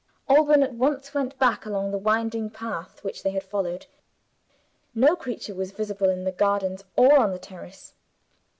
Alban at once went back, along the winding path which they had followed. No creature was visible in the gardens or on the terrace.